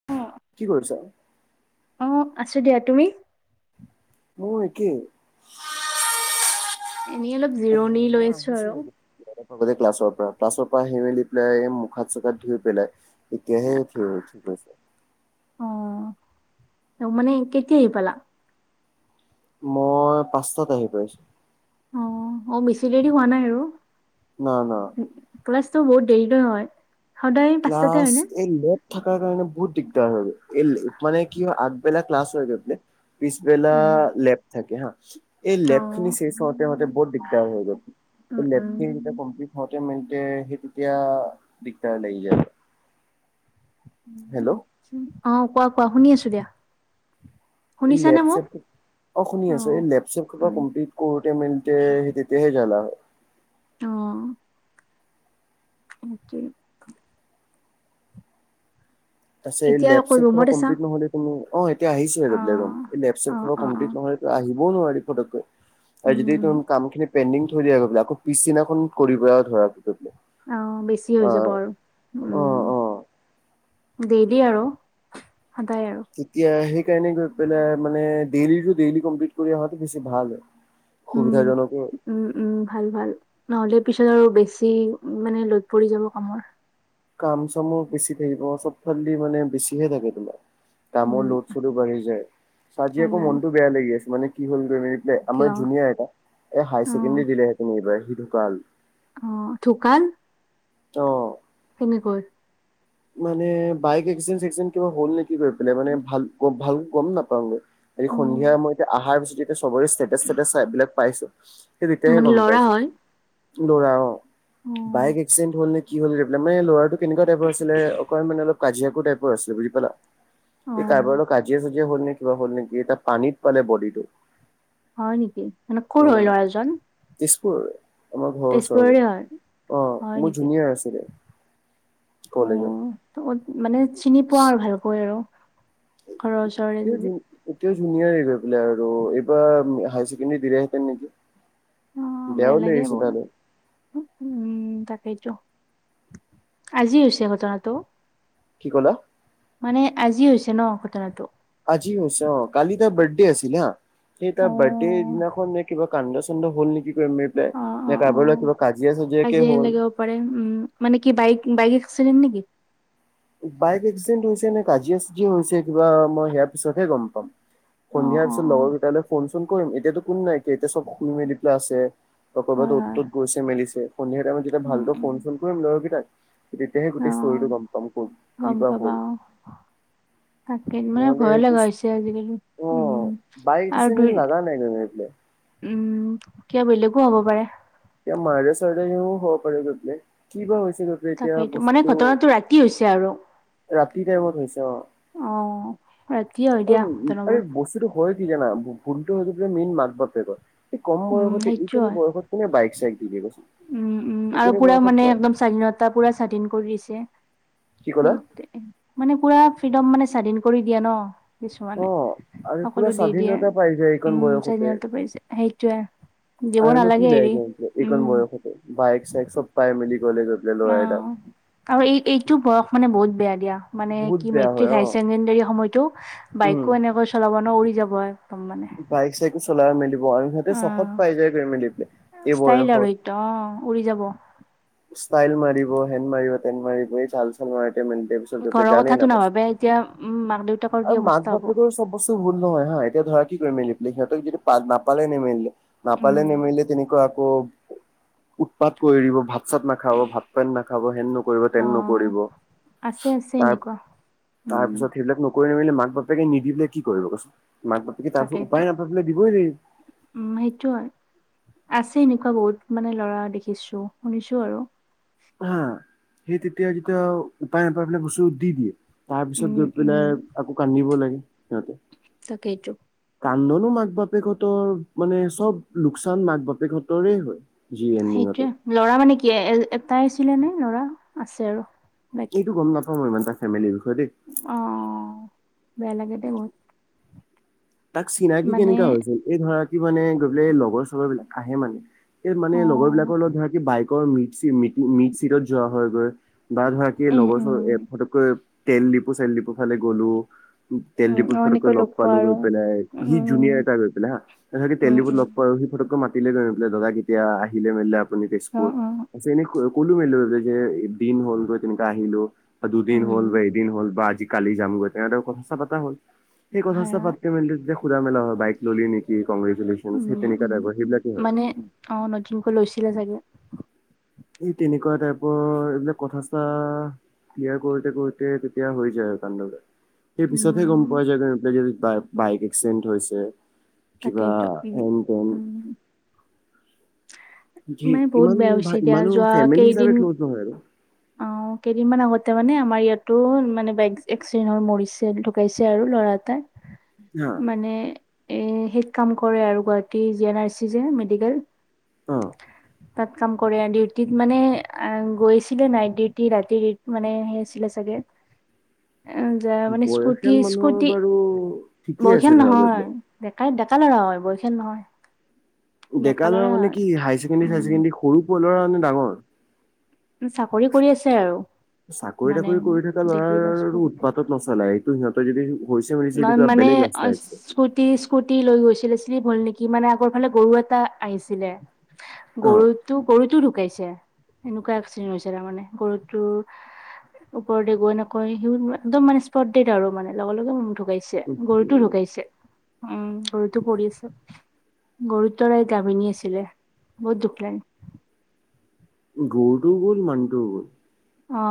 অঁ' কি কৰিছা? অ আছো দিয়া, তুমি? মোৰ একেই! এনেই অলপ এ জিৰণি মই লৈ আছো আহিছো আৰু, অলপ ক্লাছৰ পৰা ক্লাছৰ পৰা আহি মেলি পেলাই মুখ হাত চুখ হাত ধুই পেলাই- এতিয়া হে ঠিক হ'ল ঠিক আছে। অহ, ত মানে কেতিয়া আহি পালা? মই পাঁচটাত আহি পাইছো। অ অ বেছি দেৰি হোৱা নাই আৰু। না না। ক্লাছটো বহুত দেৰিটো হয়, সদায় পাঁচটাতে ক্লাছ হয়নে? এই লোলত। থকাৰ কাৰণে বহুত দিগদাৰ হৈ গল এই মানে কি হয় আগবেলা ক্লাছ হৈ গলে। পিছবেলা উম, লেট থাকে হা। এই লেব খিনি অ', শেষ হওঁতে হওঁতে বহুত দিগদাৰ হৈ গল উম, এই লেব খিনি যেতিয়া কমপ্লিট- ঠওঁতে মিলতে সেই তেতিয়া দিগদাৰ লাগি যায় আৰু। হেল্লো' উম অ কোৱা কোৱা শুনি আছো দিয়া। এই শুনিছানে লেপ মোক? চেপ অ শুনি আছো এই লেপ চেপ কেইটা উম, কমপ্লিট- কৰোঁতে মিলতে সেই তেতিয়া হে জানা হয় অঁ' সেইটোৱে। তাৰ পিছত এই এতিয়া লেপ আকৌ চেপ খনৰ ৰুমত আছা? কমপ্লিট নহ'লে- অ এতিয়া আহিছোহে অ', এই লেপ চেপ অ', শোপা অ', কমপ্লিট অ', নহলেতো আহিবও নোৱাৰি ফটককে। আৰু যদি উম, তুম কামখিনি পেণ্ডিং থৈ দিয়া গৈ পেলায় আকৌ পিছদিনাখন কৰিব আৰু ধৰা ধৰিকে। অঁ বেছি হৈ যাব আৰু, অ' অ' উম দ্যেলি আৰু সদায় আৰু। তেতিয়া সেইকাৰণে গৈ পেলাই মানে দ্যেলিৰটো দ্যেলি কমপ্লিট কৰি অহাটো বেছি ভাল হয়। উম। সুবিধাজনকো। উম উম ভাল ভাল নহ'লে পিছত আৰু বেছি মানে লোড পৰি যাব কামৰ। কাম চামো বেছি থাকিব চবফালদি মানে বেছি হৈ থাকে তোমাৰ। কামৰ উম, লোড চডো বাঢ়ি যায়, আজি হয় আকৌ হয়। মনটো বেয়া লাগি আছ মানে কি হল মানে- দে কিয়? আমাৰ জুনিয়ৰ এটা এই হায়াৰ অ', ছেকেণ্ডৰী দিলেহেঁতেন এইবাৰ সি ঢুকাল। অ ঢুকাল? অঁ' কেনেকৈ? মানে বাইক এক্সিডেণ্ট চিক্সডেণন্ট কিবা হ'ল নেকি পেলাই মানে ভাল ভাল গম নাপাওঁ গে। আজি সন্ধিয়া অ', মই এতিয়া অহাৰ পিছত এতিয়া সবৰে ষ্টেচ ষ্টেচ চাই পেলাই পাইছো। সেই তেতিয়াহে মানে গম ল'ৰা পাইছে হয়? ল'ৰা অ অ', বাইক এক্সিডেণ্ট হ'ল নেকি কি হল গৈ পেলাই ল'ৰাটো কেনেকুৱা টাইপইৰ আছিলে অকমান মানে অলপ কাজিয়াকুৰ টাইপৰ আছিলে বুজি পালা। এই কাৰবাৰ অ', লগত কাজিয়া চাজিয়া হ'ল নেকি কিবা হ'ল নেকি তাৰ পানীত পালে বডিটো। হয় নেকি, মানে কৰ উম হয় লৰা জন? তেজপুৰ আমাৰ ঘৰৰ ওচৰৰে হয়? অঁ হয় মোৰ নেকি? জুনিয়াৰ আছিলে। কলেজৰ। অ', ত' মানে চিনি পোৱা আৰু ভালকৈ আৰু? ঘৰৰ ওচৰৰে। যদি। এতিয়াও জুনিয়েৰ গৈ পেলাই আৰু এইবাৰ হাই ছেকেণ্ডাৰী দিলে হেঁতেন নেকি। অ', বেয়া বেয়াও লাগে লাগিছে বহুত। তালে। উম তাকেইতো। আজি হৈছে ঘটনাটো? কি ক'লা? মানে আজি হৈছে ন ঘটনাটো? আজি হৈছে অঁ, কালি তাৰ বাৰ্থডে আছিল হা সেই তাৰ বাৰ্থ ডে অ', দিনাখন এই কিবা কান্দ চান্দ হ'ল নেকি কিবা অ', নে কাৰবাৰ লগত কিবা কাজিয়া চাজিয়াকে হ'ল হব পাৰে উম মানে কি বাইক বাইক এক্সিডেণ্ট নেকি? বাইক এক্সিডেণ্ট হৈছে নে কাজিয়া চাজিয়া হৈছে কিবা মই সেয়াৰ পিছতহে গম পাম। অ', সন্ধিয়াৰ অ', পিছত অ', লগৰ কেইটালৈ ফোন চোন কৰিম এতিয়াতো কোনো নাই এতিয়াটো চব শুই মেলি পেলাই আছে। বা ক'ৰবাত হয়, অত হয়। তত গৈছে মেলিছে সন্ধিয়া টাইমত যেতিয়া উম, ভালকৈ উম, ফোন চোন কৰিম লৰকেইটাক তেতিয়াহে গোটেই স্তৰীটো অ', গম কি গম বা পাবা হ'ল অঁ। তাক মানে নহ'লে ভয় একো লগা হৈছে আজিকালি অ উম বাইক আৰু দুই এক্সিডেণ্ট লাগা নাই গৈ পেলাই উম কিবা বেলেগো হ'ব পাৰে। এ মাৰ্ডাৰ চাৰ্দাৰিংও হব পাৰে গৈপেলে কিবা হৈছিল তাকেইটো মানে ঘটনাটো ৰাতি হৈছে আৰু? ৰাতি টাইমত হৈছে অঁ। অ'। ৰাতিয়ে হয় দিয়া ঘটনাবোৰ আৰু বস্তুটো হয় কি জানা ভুলটো হয়তো বোলে মেইন মাক বাপেকৰ এই কম উম, বয়সতে সেইটো এইখিনি হয়। বয়সত কোনে বাইক চাইক দিব কৈছে। উম উম আৰু পুৰা মানে একদম স্বাধীনতা পুৰা স্বাধীন কৰি দিছে। কি ক'লা সেইটোয়ে, মানে পুৰা ফ্ৰীডম মানে স্বাধীন কৰি দিয়ে ন কিছুমানে অঁ আৰু পুৰা সকলো দি দিয়ে। স্বাধীনতা পাই যায় এইকন উম বয়সতে। চাৰিদিনতে পৰিছে সেইটোয়ে দিব আৰুনো নালাগে কি এৰি লাগে উম এইকন বয়সতে বাইক চাইক চব পাই মেলি গলে গৈ মেলি অ ল'ৰা এটা আৰু এই এইটো বয়স মানে বহুত বেয়া দিয়া মানে বহুত কি বেয়া হয় মেট্ৰিক অ হাই ছেকেণ্ডৰী সময়তো উম বাইকো এনেকৈ চলাব ন উৰি যাব একদম মানে বাইক চাইকো চলাই মেলিব আৰু সিহঁতে অ চখত পাই যায় কৰি মেলি পেলাই এই বয়সত। অঁ উৰি যাব। ষ্টাইল মাৰিব হেন মাৰিব তেন মাৰিব এই চাল তাল মাৰি তেনেকে ঘৰৰ জানিয়ে কথাটো নাপাই নাভাবে এতিয়া উম মাক দেউতাকৰ কি আৰু মাক অৱস্থা হ'ব বাপেকৰো চব বস্তু ভুল নহয় হা এতিয়া ধৰা কি কৰি লৈ মেলি সিহঁতক যদি নাপালে নেমেলিলে নাপালে উম নেমেলিলে তেনেকুৱা আকৌ উৎপাত কৰি দিব ভাত চাত নাখাব ভাত পানী নাখাব হেন নকৰিব অ তেন নকৰিব আছে আছে তাৰ এনেকুৱা উম তাৰপিছত সেইবিলাক ন কৰি মেলি মাক বাপেকে নিদিলে কি কৰিব কচোন মাক বাপেকে তাৰপিছত তাকেইতো উপায় নাপাই পেলাই দিবই লাগিব। উম সেইটো হয়, আছে এনেকুৱা বহুত মানে লৰা‌ দেখিছো শুনিছোঁ আৰু। হা। সেই তেতিয়া যেতিয়া উপাই নাপাই পেলায় বস্তু দি দিয়ে। তাৰ পিছত উম গৈ উম পেলাই আকৌ কান্দিব লাগে সিহঁতে। তাকেইতো। কান্দনো মাক বাপেকহঁতৰ মানে চব লোকচান মাক বাপেকহঁতৰে হয়। জি এণ্ডিঙতো সেইটোৱে। ল'ৰা মানে কি এটাই আছিলে নে ল'ৰা আছে আৰু? বাকী এইটো গম নাপাওঁ ইমান তাৰ ফেমিলিৰ বিষয়ে দেই। অ। বেয়া লাগে দেই বহুত। তাক চিনাকি মানে কেনেকা হৈছিল? এই ধৰা কি মানে গৈ পেলাই এই লগৰ চগৰ বিলাক আহে মানে। এই মানে অ লগৰ বিলাকৰ লগত ধৰা কি বাইকৰ মি মিট চিটত যোৱা হয়গৈ। বা ধৰা কি, উম লগৰ চগৰ এই উম পটককৈ তেল ডিপো চেল ডিপো ফালে গ'লো, তেল উম ডিপোত অ পটককৈ এনেকৈ লগ পোৱা পালো আৰু গৈ পেলাই, উম সি জুনিয়াৰ এটা গৈ পেলাই হা, তাকে তেল উম ডিপোত উম লগ পাই আৰু সি পটককৈ মাতিলে গৈ পেলাই, দাদা কেতিয়া আহিলে মেলিলে আপুনি অ তেজপুৰত? অ যে, এনে কলো মিলিলো যে, দিন হ'ল গৈ তেনেকে আহিলো। বা দুদিন উম হ'ল বা এদিন হ'ল বা আজি কালি যামগৈ, তেনেদৰে কথা চথা পতা হ'ল। সেই কথা হয় চথা হয় পাতি যেতিয়া সুধা মেলা হয় বাইক ললি নেকি? কগ্ৰেচুলেশচন, সেই উম তেনেকুৱা উম টাইপৰ, সেইবিলাকে হয়। মানে অ নতুনকৈ লৈছিলে চাগে, এই তেনেকুৱা টাইপৰ, এইবিলাক কথা - চথা ক্লিয়াৰ কৰোতে কৰোতে তেতিয়া হৈ যায় আৰু কাণ্ড সেই পিছতহে গম উম পোৱা যায় গৈ বাইক, বাইক এক্সিডেণ্ট হৈছে, কিবা তাকেইতো উম এনটেন উম যি মানে বহুত ইমান বেয়া হৈছে দিয়া ইমানো যোৱা ফেমিলি হিচাপে কেইদিন ক্ল'জ নহয় আৰু, অ কেইদিনমান আগতে মানে আমাৰ ইয়াতো মানে, বাইক এক্সিডেণ্ট হয় মৰিছে ঢুকাইছে আৰু ল'ৰা এটা। অ মানে, এ হেৰিত কাম কৰে আৰু, গুৱাহাটীৰ জি এন আৰ চি যে, মেডিকেল অ তাত কাম কৰে, ডিউটিত মানে গৈছিলে নাইট ডিউটি ৰাতিত মানে সেই আছিলে চাগে, উ [inaudible] এ যায় মানে, স্কুটি স্কুটি, বাৰু ঠিকেই আছে বয়সীয়াল ধৰা লৈ নহয়, পেলাই ডেকাই, ডেকা ল'ৰা হয়, বয়সীয়াল নহয়। ডেকা ল'ৰা মানে কি, হাই ছেকেণ্ডেৰী, চাই ছেকেণ্ডাৰী উম সৰু ল'ৰা নে ডাঙৰ? চাকৰি কৰি আছে আৰু চাকৰি মানে তাকৰি কৰি থকা ডিগ্ৰী পাছ কৰি লৰাৰো উৎপাদ তত নচলাই, এইটো সিহঁতে যদি হৈছে বেলেগ ৰাস্তৰে আহিছে। টি স্কুটি লৈ গৈছিলে, চ্লিপ হ'ল নেকি, মানে আগৰ ফালে গৰু এটা আহিছিলে, অ গৰুটো, গৰুটো ঢুকাইছে, এনেকুৱা এক্সিডেণ্ট হৈছে তাৰমানে, গৰুটো ওপৰতে গৈ নকয়, সি একদম মানে স্পৰ্ডেড আৰু মানে লগে লগে ঢুকাইছে, উ গৰুতো ঢুকাইছে। উম গৰুতো পৰি আছে। গুৰুতৰাই গাভিনী আছিলে, বহুত দুখ লাগে। গৰুটোও গ'ল, মানুহটোও গ'ল। অ,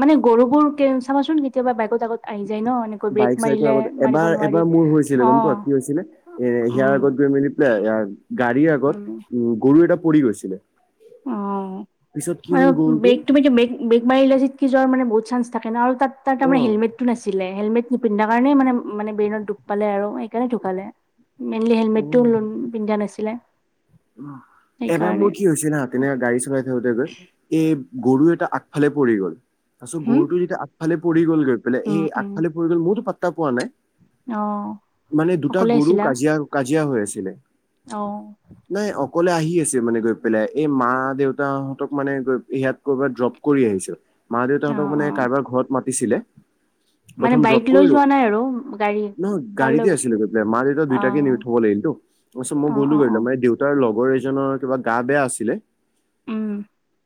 মানে গৰুবোৰ কে চাবাচোন কেতিয়াবা বাইকত আগত আহি যায় ন এনেকৈ ব্ৰেক বাইক চাইকৰ মাৰিলে আগত, মাৰিব এবাৰ নোৱাৰি এবাৰ মোৰ হৈছিলে, অ গম পোৱা কি হৈছিলে, এয়াৰ উম আগত গৈ মেলি গাড়ীৰ আগত উম গৰু এটা পৰি গৈছে, অ গৰুটো মটোুমি যে বে [unintelligible] ব্ৰেক মাৰিলে পৰি যোৱাৰ মানে বহুত চানঞ্চ থাকে ন, আৰু অ তাৰমানে হেলমেটটো নাছিলে, হেলমেট নিপিন্ধাৰ কাৰণে মানে মানে বেইনত দুখ পালে আৰু সেইকাৰণে ঢুকালে। মেইনলি অ হেলমেটো পিন্ধা নাছিলে। এবাৰ সেইকাৰণে মোৰ কি হৈছিল হা তেনেকা গাড়ী চলাই থাকোতে গৈ এই গৰু এটা আগফালে পৰি গ'ল তাৰিছত হম গৰুটো যেতিয়া আগফালে পৰি গ'ল গৈ পেলাই সেই উম উম আগফালে গ'ল মোৰতো পাত্তা পোৱা নাই অ মানে দুটা অকলে গৰু আছিলা কাজিয়া কাজিয়া হৈ আছিলে। অ'। নাই অকলে আহি আছে মানে গৈ পেলাই এই মা দেউতাহঁতক মানে গৈ ইয়াত কৰবাত ড্ৰপ কৰি আহিছে মা অ দেউতাহঁতক মানে অ কাৰবাৰ ঘৰত মাতিছিলে। মানে প্ৰথম বাইক ড্ৰপ লৈ কৰিলো যোৱা নাই আৰু গাড়ী নহয় কাৰ লৈ গাড়ীতে আছিলোই গৈছিলা মাৰ দেউতা অ দুইটাকে নি থব লাগিল তো তাছত মই অ গ'লো অ অ গাৰ মে দেউতাৰ লগৰ এজনৰ কিবা গা বেয়া আছিলে। উম।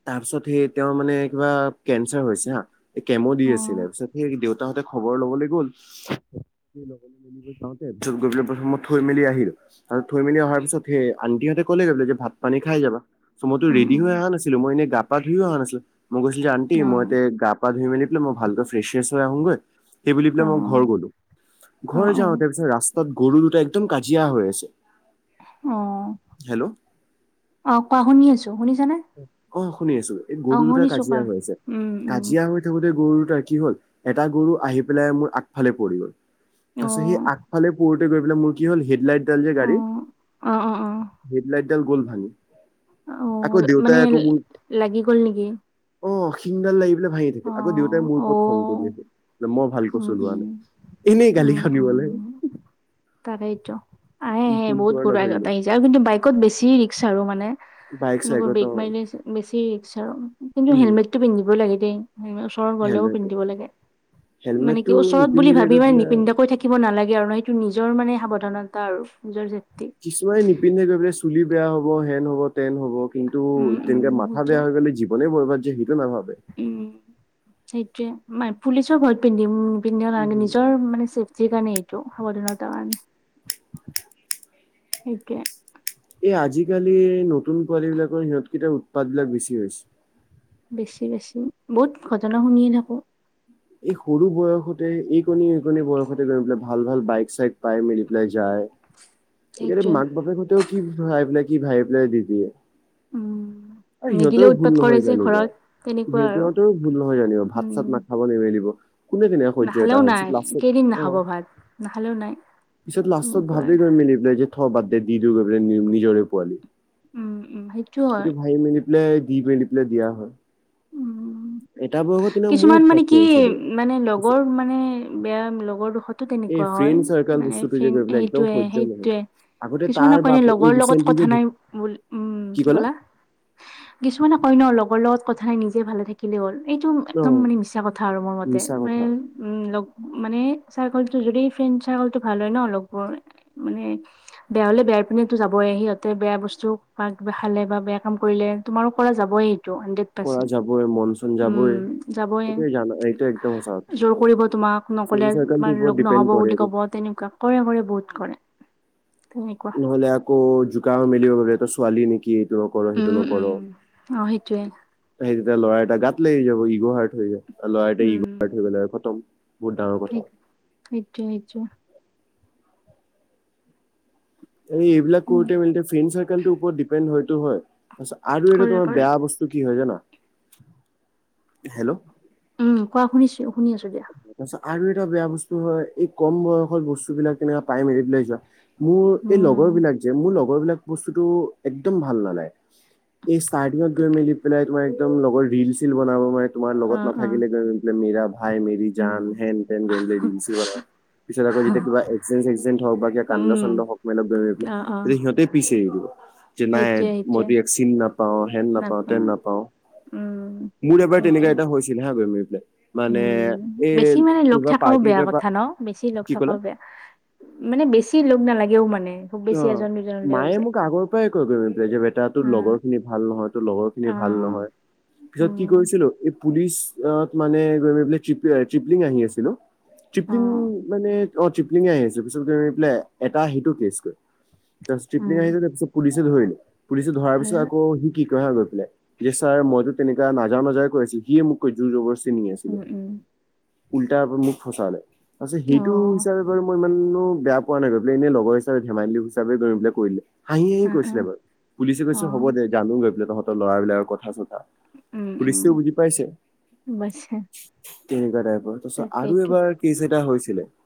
তাৰপিছত সেই তেওঁৰ মানে কিবা কেঞ্চাৰ হৈছে হা কেমো দি অ আছিলে তাৰ পিছত সেই দেউতা দেউতাহঁতে খবৰ লবলৈ গ'ল। তে পিছত গৈ পেলাই প্ৰথম মই থৈ মেলি আহিলো আৰু থৈ মেলিহাৰ পিছত সেই আনটিহঁতে কলে গ'লে যে ভাত পানী খাই যাবা' মইতো উম ৰেডি উম হৈ অহা নাছিলোঁ মই এনে গা-পা ধুইও অহা নাছিলোঁ। মই কৈছিলো আণ্টি অ মই এতে গা-পা ধুই মেলি পাই মই ভালক ফ্ৰেচ ফেচ হৈ আহোগৈ সেই বুলি অ পেলায় মই ঘৰ গ'লো, অ ঘৰ যাওঁতে অ পিছে ৰাস্তা তাত গৰু দুটা একদম কাজিয়া হৈ আছে। অ'। হেল্ল'। অ', কোৱা শুনি আছোঁ শুনিছানে? অ', শুনি আছোঁ এই অ গৰু দুটা শুনিছো কোৱা কাজিয়া হৈ আছে উম উম কাজিয়া হৈ কোতেই গৰু তাৰ কি হ'ল এটা গৰু আহি পেলাই মোৰ আগফালে পৰি গ'ল। অ তাৰপিছত সেই আগফালে পৰতে গৈ পেলাই মোৰ কি হ'ল হেডলাইটডাল যে অ গাড়ী অ অ হেডলাইটডাল গ'ল ভাঙি আকৌ অ', দেউতাই মানে আকৌ মোৰ লাগি গল নেকি। অ', শিংডাল লাগি পেলাই ভাঙি থাকিল অ আকৌ দেউতাই মোৰ অ ওপৰত খং কৰি আছে। মই ভাল কৈ উম চলোৱা নাই উম এনেই গালি খানিবলৈ তাৰেতো আহে আহে ফোনটো বহুত আৰু গৰু নাথাকিলো। তাই [unintelligible] তা আৰু কিন্তু বাইকত বেছি ৰিক্স আৰু মানে। বাইক এনেকৰ চাইকত বেগ অ' মাৰিলে বেছি ৰিক্স আৰু কিন্তু উম হেলমেটটো পিন্ধিব লাগে দেই হ'ম। ওচৰত গ'লেও হেলমেট পিন্ধিব লাগে মানে কি হেলমেটটো ওচৰত বুলি নিপিন্ধিলে ভাবি গৈ ইমান পেলাই নিপিন্ধাকৈ থাকে শিকিব নালাগে আৰু ন সেইটো নিজৰ মানে সাৱধানতা আৰু নিজৰ চেফ্টি। কিছুমানে নিপিন্ধে গৈ চুলি বেয়া হ'ব হেন হ'ব তেন হ'ব। কিন্তু উম তেনেকে উম মাথা সেইটোৱে বেয়া হৈ গ'লে জীৱনে বৰবাদ যে সেইটো নাভাবে। উম সেইটোৱে মই পুলিচৰ ভয়ত পিন্ধিম। পিন্ধে নিজৰ মানে চেফ্টিৰ কাৰণে সৱধানতা মানে তাৰ সেইকে এই আজিকালি নতুন পোৱালি বিলাকৰ সিহঁতকেইটাৰ উৎপাত বিলাক বেছি হৈছে। বেছি, বেছি বহুত ঘটনা শুনিয়ে থাকোঁ। এই সৰু বয়সতে এই কণী এই কণী বয়সতে গৈ পেলাই ভাল ভাল বাইক চাইক পাই মেলি পেলাই যায় ইয়াৰে সেইটোৱে মাক বাপেক হতেও কি ভাই পেলাই কি ভাই পেলাই দিদিয়ে। উম সিহঁতেৰও নিদিলেও ভুল উৎপাত কৰে নহয় যে জানিব ঘৰত তেনেকুৱা আৰু সিহহঁতেও ভুল নহয় জানিব ভাত উম চাত ন খাব নিমেলিব কোনে কোনে সহ্য এটা নাখালেও নাই কেইদিন নাখাব অ'। ভাত নাখালেও নাই পিছত লাষ্টত এনেকুৱা ভাবেই আৰু গৈ মিলি পেলাই যে থ বাদ দে দি দিও নিজৰে পোৱালি, উম উম সেইটো হয় এইটো ভাই মেলি - এইটোৱেই দি মেলি পেলায় দিয়া হয়। উম এটা বয়সত তেনে মোৰ কিছুমান মানে উৎপাত। কি কৰিছিলো মানে লগৰ মানে বেয়া লগৰ দুখত - টো এই তেনেকুৱা হয়, ফ্ৰেণ্ড চাৰ্কল মানে বস্তুটো যে গৈ ফ্ৰেণ্ড পেলাই একদম সেইটোৱে সহ্য নহয় সেইটোৱে। আগতে তাৰ কিছুমানে কয় নে বাপ এই লগৰ লগত ৰিচেন্টলি যে কথা নাই বুলি, উম, কি কলা? কিছুমানে কয় ন লগৰ লগত কথা নাই নিজে ভালে থাকিলে হ'ল। এইটো অ একদম মানে মিছা কথা আৰু মোৰ মতে মিছা মানে কথা - উম লগ মানে চাৰ্কলটো যদি ফ্ৰেণ্ড চাৰ্কলটো ভাল হয় ন লগৰ মানে- বেয়া হ'লে বেয়া পিনেতো যাবই সিহঁতে বেয়া বস্তু বা কিবা খালে বা বেয়া কাম কৰিলে - তোমাৰো পৰা যাবই সেইটো হাণ্ডেড- কৰা যাব‌ই মন- চন যাবই উম যাবই, এইটোৱে জানা এইটো একদম সঁচা কথা। জোৰ কৰিব তোমাক ফ্ৰেণ্ড নকলে চাৰ্কলটোৰ তোমাৰ ওপৰত লগ ডিপেণ্ড নহব কৰে বুলি - এইটো। ক'ব তেনেকুৱা কৰে কৰে বহুত কৰে, তেনেকুৱা। নহ'লে আকৌ জোকাও মিলিব মানে তাই ছোৱালী নেকি? কি এইটো নকৰ সেইটো উম নকৰ। উম অ সেইটোৱে সেই তেতিয়া ল'ৰা এটা গাত লাগি যাব ইগ' হাৰ্ট হৈ যায়। ল'ৰা এটা ইগ' উম হাৰ্ট হৈ গ'লে আৰু খতম বহুত ডাঙৰ সেই কথা। সেইটোৱে সেইটোৱে। এই এইবিলাক উম কৰোতে মেলোতে ফ্ৰেণ্ড চাৰ্কেলটোৰ ওপৰত ডিপেণ্ড হয়তো হয়। আচ্ছা, আৰু এটা কৰে তোমাৰ কৰে বেয়া বস্তু কি হয় জানা? হেল্লো' উম, কোৱা শুনিছোঁ শুনি আছোঁ দিয়া। তাৰ পাছত আৰু এটা বেয়া বস্তু হয় এই কম বয়সত বস্তুবিলাক কেনেকুৱা প্ৰাইমেৰীডলৈ যোৱা - মোৰ এই লগৰ উম বিলাক যে মোৰ লগৰ বিলাক বস্তুটো একদম ভাল নালাগে। এই ষ্টাৰ্টিঙত গৈ মেলি পেলাই তোমাৰ একদম লগৰ ৰিল চিল বনাব মানে - তোমাৰ অ লগত অ নাথাকিলে গৈ পেলাই মেৰা ভাই মেৰি উম জান উম হেন তেন গৈ পেলাই দিলে চিল বানাব। পিছত আকৌ যেতিয়া কিবা এক্সিডেণ্টত চেক্সিডেন্ট বা কিবা কাণ্ড উম চাণ্ড হওক মানে বনাই পেলাই, অ অ তেতিয়া সি- সিহঁতে পিছে আহিব, যে নাই সেইটোৱে সেইটোৱে মইতো ইয়াক চিন নাপাওঁ হেন নাপাও তেন নাপাওঁ। উম মোৰ এবাৰ তেনেকা সেইটোৱে এটা হৈছিল হা বনাই পেলাই, মানে উম এই বেছি মানে লগ কোনোবা থকাও পাৰ্টি বেয়া এটাৰ পৰা কথা ন, বেছি লগ কি ক'লা? থকাও বে মানে বেছি লগ নালাগেও মানে খুব বেছি অ'। এজন দুজন - মায়ে মোক আগৰ পৰাই কৈ থাকে যে বেতা তোৰ লগৰ খিনি ভাল নহয় তোৰ লগৰ উম খিনি অ ভাল নহয়। পিছত কি উম কৰিছিলো - পুলিচত মানে গৈ পেলাই চিপলিং আহি আছিল অ, অ চিপলিং মানে - অ চিপলিং আহি আছে, পিছত গৈ পেলাই এটা সেইটো কেচ কয়। তাৰ চিপলিং উম আহিলে তাৰ পিছত পুলিচে ধৰিলো, পুলিচ ধৰ পিছত হয় আকৌ সি কি কয় হয় গৈ পেলাই - যে ছাৰ মইতো তেনেকা নাযাওঁ নাযাওঁ কৈ আছিলো সিয়ে মোক কৈ জোৰ জবৰদস্তি নি আছিলে। উম উম উল্টা আকৌ মোক ফচালে, তাৰপিছত অ সেইটো- সেই হিচাপে বাৰু মই ইমানো বেয়া পোৱা নাই গৈ পেলাই, এনে লগৰ হিচাপে ধেমালি হিচাপে ধৰি পেলাই কৰি দিলে। হাঁহি হাঁহি অ অ কৈছিলে বাৰু, পুলিছে অ কৈছে হ'ব দে জানো গৈ পেলাই তহঁতৰ ল'ৰাবিলাকৰ কথা চথা। উম উম পুলিচটোও বুজি পাইছে। বাছা তেনেকুৱা টাইপৰ, তাৰপিছত আৰু তাকেইতো এবাৰ কেছ এটা হৈছিলে -